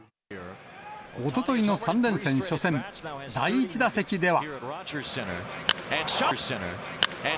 おとといの３連戦初戦、第１打席では。